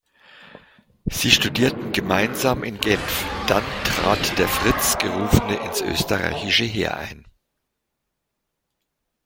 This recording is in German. Sie studierten gemeinsam in Genf, dann trat der „Fritz“ gerufene ins österreichische Heer ein.